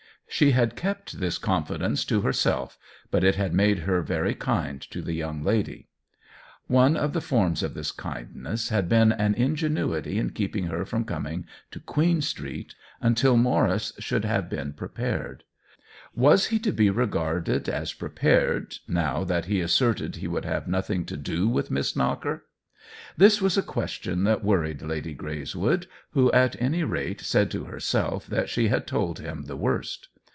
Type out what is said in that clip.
She had kept this confidence to herself, but it had made her very kind to the young lady. One THE WHEEL OF TIME 15 of the forms of this kindness had been an ingenuity in keeping her from coming to Queen Street until Maurice should have been prepared. Was he to be regarded as prepared, now that he asserted he would have nothing to do with Miss Knocker? This was a question that worried Lady Greys wood, who at any rate said to herself that she had told him the worst.